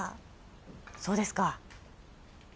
そうですか。